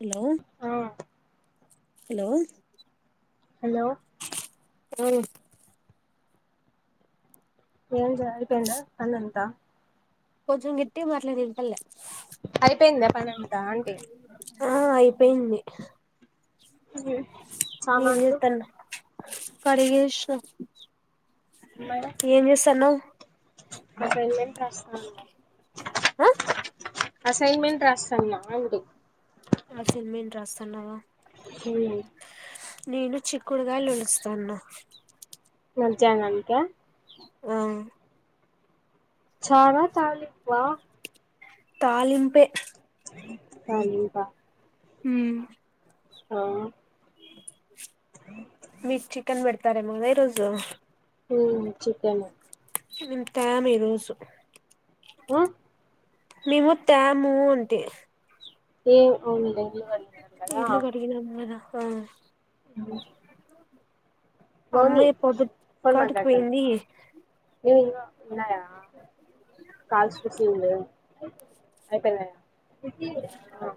hello ఆ hello hello ఎవరు ఎంజా అయిపోంద పనంతా కొజంగ్ గిట్టిగ మాట్లాడు ఇన్పడ్లే అయిపోయిందా పనంత ఆంటి ఆ అయిపోయింది హ్మ్ సామాన్లు కడిగేశ్నా ఏం జేస్తాన్నవ్ అసయిన్మెంట్ రాస్తాన ఆ అసైన్మెంట్ రాస్తన్నా అంటి అసైన్మెంట్ రాస్తన్నవా హ్మ్ నేను చిక్కుడుగాయలేస్తాన్న మద్యానానిక ఉమ్ చాలా తాలింప్వ తాలింపే చాలింక హ్మ్ ఆ మీక్ చికెన్ బెడతరేమోగ రోజు చకే మ ఇంకా మీరు [unintelligible] ఆ మేము తేము అంతే ఏ అవును ఎలువడిన గా అ ఉమ్ మౌని అమ్మాయి పొదుపు ఫోన్ కాటికి పోయింది మాట్లాడుతండవా ఏం ఇంగ ఉన్నాయా కాల్స్ కుసింది అయిపినయ ఆ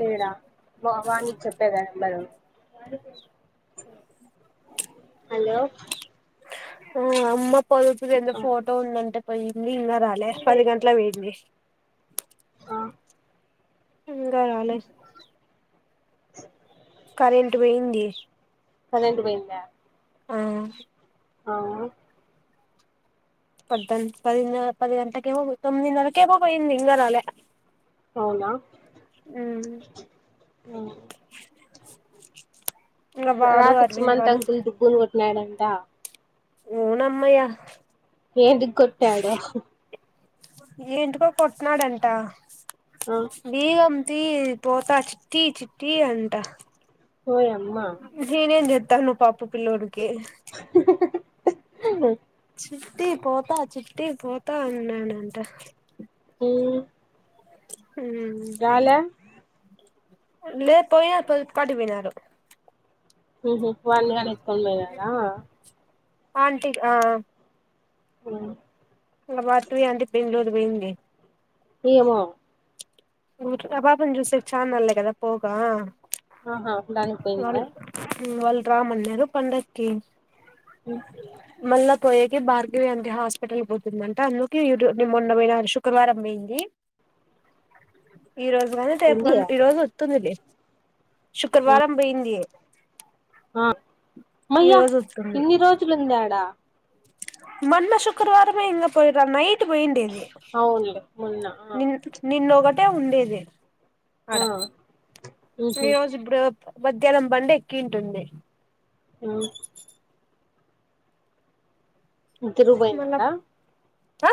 తేడా వాణికి చెప్పేద నెంబరు [inaudible] హలో ఆ అమ్మ పదుపూది ఏందో ఫోటో ఉందంటే పోయి పోయి ఇంగా రాలే పది గంటలకుపిన్ది ఆ ఇంగా రాలే కరెంట్ పోయింది కరెంట్పోయిదా ఆ ఆ పద్దన పదిన్నర పది గంటకి పో తొమ్మిదనర్కేమో బోయిది ఇంగా రాలే అవునా మ్మ్ ఉమ్ ఇంగ వాడు రాత్రి అరవింద్ సుమంత్ గాడు అంకుల్ దుగ్గును కొట్టినాడంట వును అమ్మయ ఏంటికి కొట్టాడు ఏంటికో కొట్నాడంట ఆ బీగం తీ పోతా చిట్టి చిట్టి అంట ఓయమ్మ నేనేం చె తను పాప పిల్లాడికి [inaudible] చిుట్టి పోతా చిట్టి పోతా అన్నాడంట ఉమ్ హ్మ్మ్ లేదు పొయ్యారు పలుపుకటికి పోనారు ఉహు వాన్నిగానీ ఎత్తుకొని పోయినరా ఆంటీ ఆ ఆ ఉమ్ వాతువి ఆంటీ బెంగళూరు బింది ఏమో ఊతోట పాపనీ జూసే చాన్ నాళ్లు కదా పోకా ఆహా అలానికిపోయింద వాళ్ళు రామ్మన్నారు పండక్కి ఉమ్ మళ్ళా పోయేకి భార్గగివి ఆంటీ హాస్పిటల్ పోతుందంట అందుకే నేన్ మొన్న పోయి శుక్రవారం అ పోయింది ఈ రోజు గానీ రేపు ఏంది గాన్ ఈ రోజు వొత్తుందిలే ఆ శుక్రవారం పోయింది ఆ ఈ మయ్యా రోజు ఇన్ని రోజులుందాడా మన్న శుక్రవారమే ఇంగా పోయిరా నైట్ ఇట్ పోయిండేది అవునులే మొన్న ఆ ని నిన్న ఒకట్ అంటే ఉండేది అడ ఆ మ్మ్ ఈ హు రోజు ఇప్పుడు మధ్యాహ్నం బండి ఎక్కింటుంది ఆ ఇద్దురు పాయినరా ఆ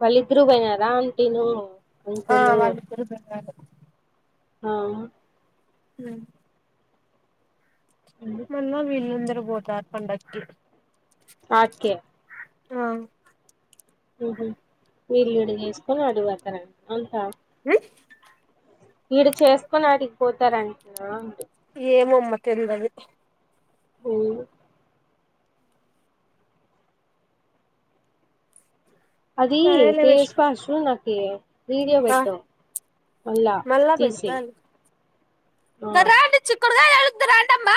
వాళ్ళద్రు బయనారా ఆంటీ నువ్వు ఆ వాళ్ళరు ఆ హ మళ్ళా వీళ్ళందరు పోతారు పండకి కే ఆ ఆహ వీల్లుడు చేసుకొని అడుగుతారండి అంతా వడు చేసుకొని ఆడిగిపోతారంట ఏమోమ్ మకె ఎందది అ అది సరేలే తెసు విష్క పషూ నక వీడియో బడ్డో వళ్ళా మళ్ళా తీసే పెడతాలే ఆ డుతు అంటమ్బ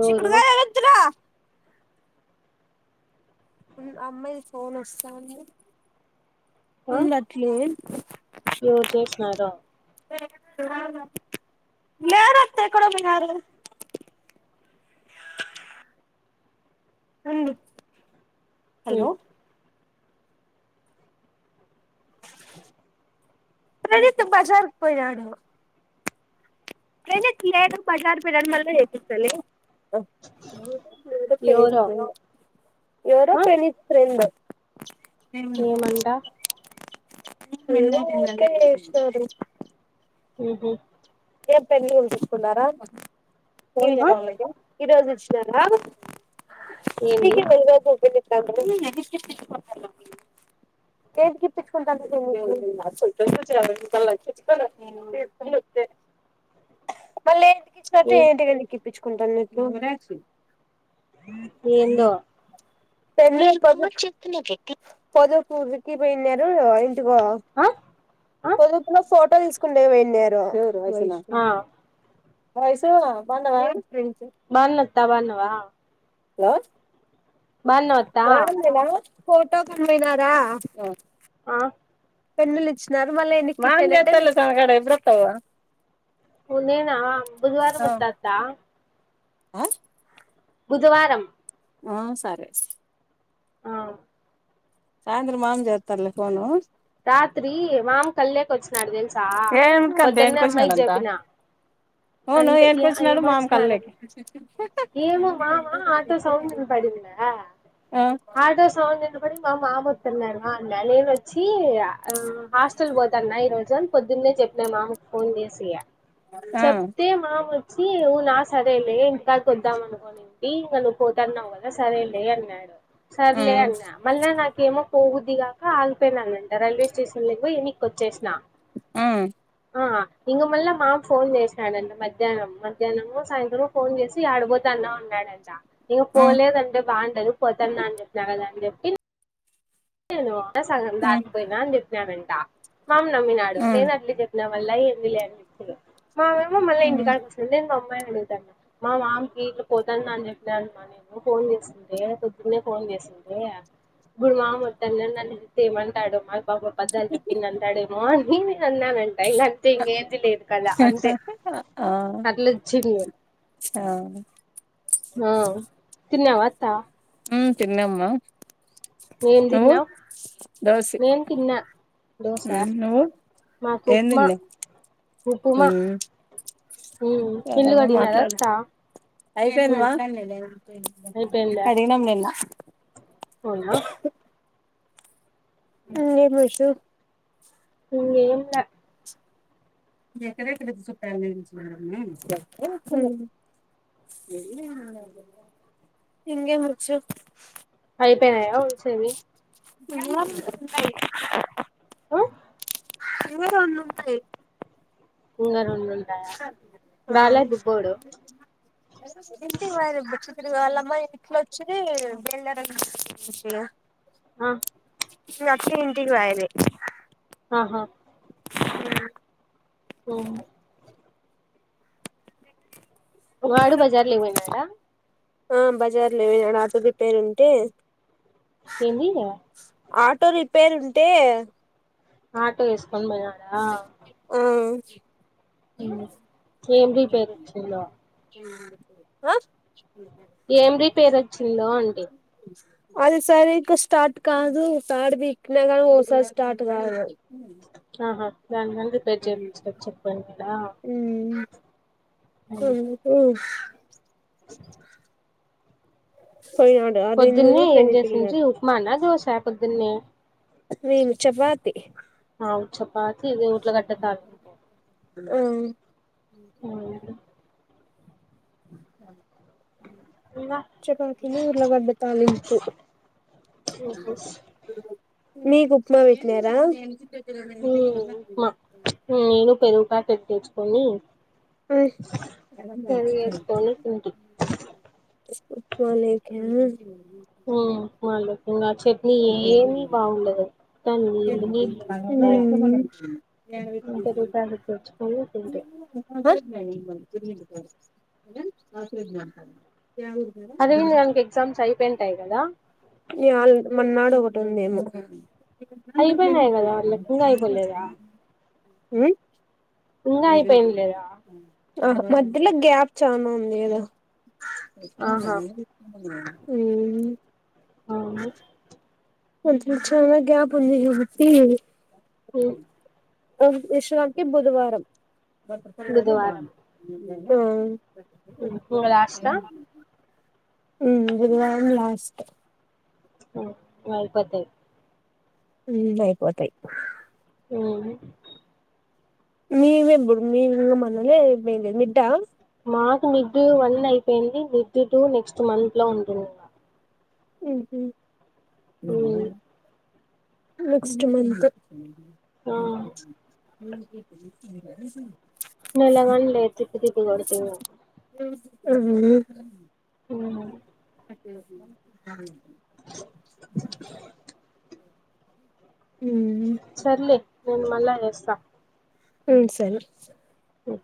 ఎవరు చిక్కుడుగా వెతురా అమ్మాయికి ఫోన్ వస్తా ఉ అట్లే ూ చేసన్నారుార లేరు అత్త ఎక్కడ బోయారు ఉమ్ హలో ప్రణీత్ బజాకి పోయి నాడు ఏ తయడు బజార్ బిడ మళ్ వస్తలి ఎవరో స్త ఎవరో ప్రణీత్ ఫ్రెండ్ ఏ మండ వె ఇస్తరు ఊ హు ఏ పెళ్ళ ఉంచుకున్నారా ఆ మామయ్య ఈ రోజు వచ్చినారా ఏంది [unintelligible] ఏంటి గప్పించుకుంటా మళ్ళీ ఏంటికి ఇచ్చినట్టు ఏ ఏంటి ఇప్పించుకుంటాను ఎందో పదపూకి కి పోన్రు టు ఆ ఆ పొదుపులో ఫోటో తీసుకుంటే పోనారు వయ ఆ ఐసు బండవా బాధలు త బాధవా హలోనా ఫోటో కమ్నారా ఆ పెన్నులు ఇచ్చినారు మళ్ళీన్నిడ్రతవా ఉ ననా బుధవారం వత్తత్త ఆ బుధవారం ఆ సరే స్ ఆ సాయంద్ర మాగం జేత్తల్ల ఫోను రాత్రి మామ్ కల్లోకి వచ్చినాడు తెలుసా పొద్దున్న అమ్మాయికి చెపిన అంటే అ ఏమోచ్చన్నాడడి ఏమో మామా ఆటో అ సౌండ్ బ ఆటో సౌండ్ ఇనపడి మా మామ అత్తన్నారు నేనోచ్చి ఆ హాస్టల్ పోతాన్న ఈ రోజు అని పొద్దున్నే చెప్పిన మాకు ఫోన్ చేసి చెప్తే మాము న నువ్వు నా సరేలే ఇంకా కొద్దాం అనుకోనింటి ఇంకా ను్వు పోతున్నావు కదా సరేలే అన్నాడు సర్లే అన్నా మళ్ళ నాకేమో పోగుద్దిగాక ఆగిపోయినానంట రైల్వే స్టేషన్ లో పో ఎ వచ్చేసిన ఆ ఇంక మళ్ళల మా ఫోన్ చేసాడుం మధ్యాహ్నం మధ్యాహ్నము సాయంత్రం ఫోన్ చేసి ఆడబతాన్నా ఉన్నా డంట నీకు పోలేదంటే బాగుంటదు పోతాంన్నా అని చెప్నా కదా అని చెప్పిసి నేను వాట సగం దాకపోయినా అని చెప్పినానంట మామ్ నమ్మినాడు నేను అట్లే చెప్పినా ళ్ళా ఎందులి మామ్ మళ్ళ ఇంటికాడ ప ఎంగ అమ్మా అగుతా మామికి ఇట్లా పోతున్న అని చెప్పినా అమ్మా నేను ఫోన్ చేస్తుంటే పొద్దునే ఫోన్ చేస్త ఉంటే ఇప్డు మా అన్న చెప్తే ఏమంటాడు మా బాబు పద్దాలు చెప్పింది అంటాడేమో అని నేను అన్నానంట ఇకంతే ఇంేది లేదు కదా అంతే అట్లుొచ్చింది ఆ ఆ తిన్నావా అత్త ఉ తిన్నమ్మ ఏం నువ్వు తిన్నావు దోస నేను తిన్నా దోశ ఆ నువ్వు మాకు ఉప్మా ఏందిన్ల్ ఉ ఉప్మా ఉమ్ సరే ఇల్లు అమ్మ కడిగినారా మాట్లాడ అత్తా అయిపో ఉమ్ అయిపోయిందా కడిగ నమ్లేనా అవునా అ ఏంషు ఏంగేంలే ఎక్కడక్కడ చుట్ట ఇంకేం ముర్చు అయిపోయినాయా చేరి [unintelligible] ఆ ఇ అన్నాయి ఉంగారు ఉ ఆ ఇంటి వా ఇరు వాళ్ళమ్మా ఇట్లో వచ్చిది వల్ళర ఆ క్షి ఇంటికియది ఆహా ఆ హ వాడు బజార్ లో వోయినాడా ఆ బజార్ లోమనాడు అ తది పేరు ఉంటే ఏీంవి ఆటో రిపేర్ ఉంటే ఆటో వేసుకొని పోయినడా ఆ ఏం రిపేరోచ్చిందొ ఆ ఏం రిపేర్ వచ్చిందో అంటీ అదిసారి ఇంకా స్టార్ట్ కాదు తాడు పికినా కానీ ఒకసారి స్టార్ట్ కాదు ఆహా నను రిపేర్ పచ చెక్ పొయినాడా ఏంటి [inaudible] పోయినాడు అరవిందుడు పొద్దున్నే ఏం ప్రణీతి చేసంచి పోయినారు ఉప్మానా దోసా పొద్దున్నే మే చపాతి చపాతి ఇద వఊట్ల కట్ట తాాల హ్మ్ ఇంగ చేపతిలో ఉల్లిగడ్డ తాలింపు ఉహం నీకు ఉప్మా పెట్టినర ఉప్మా నేను పెరుగు ప్యాకెట్ తెచ్చుకొని అ పెరుగు వేసుకొని తింటి వోలెక్య ఉప్మాలో ఇంగ చట్నీ ఏమి బాగుండదు మొత్తం నీళ్లు నీళ్లు వచ్చ పోయింది [unintelligible] అ అరవింద్ గానికి ఎగ్జామ్స్ అయిపోయింటాయి కదా య్యాల్ మన్నాడు ఒకటి ఉందేమో అయిపోయినాయ్ కదా మీకు ఇంకా అయిపోలేదా హ్మ్ ఇంగ అయిపేంది లేదా ఆహా మధ్యల గ్యాప్ చనా ఉంది కదా ఆహా హ్మ్ ఆ మంచిగా చనా గ్యాప్ ఉంది కాబట్టి అ విషు గానికి బుధవారం బుధవారం ఆ ఇంగ లాస్టా హ్మ్ బుధవారం లాస్ట్ వల్పతే హ్మ్ అయిపోతాయ్ ఉహం మీవి ఎప్పుడూ మీవి కూడా మొన్ననే అయిపోయినాయ్ మిడా మాకు మిడ్ వన్ అయిపోయింది మిడ్ టూ నెక్స్ట్ మంత్ లో ఉంటుంది ఉహం ఉమ్ నెక్స్ట్ మంత్ ఆ నెలకని లేదు తిప్పి తిప్పి కొడతే ఇంకా ఊహ ఉ అ సర్లే నెన్ మల్లా చేస్తా హ్మ్ సరే ఉమ్